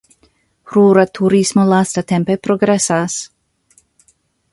Rura turismo lastatempe progresas.